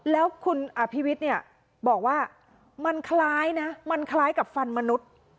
แล้วคุณอภิวิตเนี่ยบอกว่ามันคล้ายนะมันคล้ายกับฟันมนุษย์